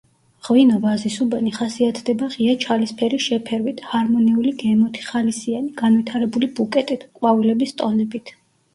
ღვინო „ვაზისუბანი“ ხასიათდება ღია ჩალისფერი შეფერვით, ჰარმონიული გემოთი, ხალისიანი, განვითარებული ბუკეტით, ყვავილების ტონებით.